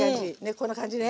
こんな感じね。